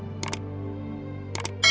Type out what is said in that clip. aku merupakan buatan nejja